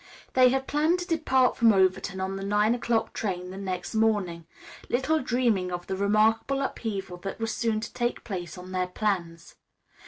They had planned to depart for Overton on the nine o'clock train the next morning, little dreaming of the remarkable upheaval that was soon to take place in their plans.